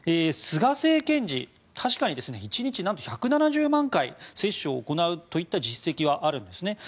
菅政権時確かに１日１７０万回接種を行うといった実績はあるんですね。